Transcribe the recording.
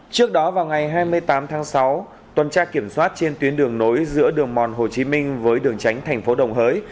trước đó vào ngày hai mươi tám tháng sáu tuần tra kiểm soát trên tuyến đường nối giữa đường mòn hồ chí minh với đường tránh thành phố đồng hới